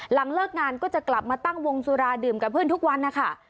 หลังเลิกงานก็จะกลับมาตั้งวงสุราดื่มกับเพื่อนทุกวันนะคะ